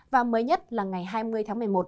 và mới nhất là ngày hai mươi tháng một mươi một